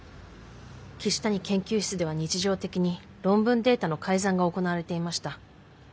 岸谷研究室では日常的に論文データの改ざんが行われていました。